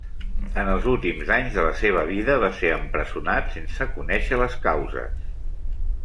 En els últims anys de la seva vida va ser empresonat sense conèixer les causes.